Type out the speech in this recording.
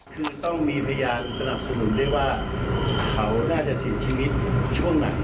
คือต้องมีพยานสนับสนุนด้วยว่าเขาน่าจะเสียชีวิตช่วงไหน